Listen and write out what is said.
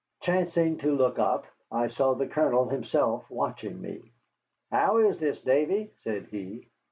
Chancing to look up, I saw the Colonel himself watching me. "How is this, Davy?" said he.